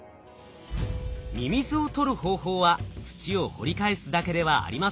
ミミズを捕る方法は土を掘り返すだけではありません。